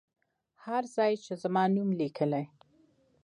هر ځای چې زما نوم لیکلی.